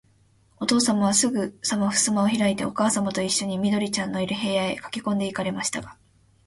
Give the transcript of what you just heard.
おとうさまは、すぐさまふすまをひらいて、おかあさまといっしょに、緑ちゃんのいる、部屋へかけこんで行かれましたが、